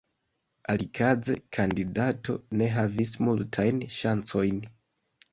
Alikaze, kandidato ne havis multajn ŝancojn.